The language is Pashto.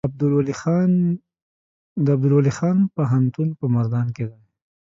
د عبدالولي خان پوهنتون په مردان کې دی